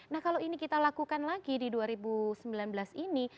nah kalau ini kita lakukan lagi di dua ribu sembilan belas ini